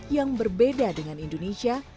yang berbeda dengan indonesia